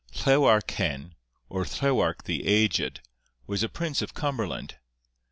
Llewarch Hen, or Llewarch the aged, was a prince of Cumberland.